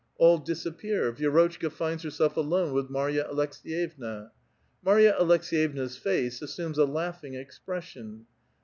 All disappear. Vierotclika finds herself alone with Marya Aleks^yevna. Marya Aleks^yevna's face assumes a laugh ing expression.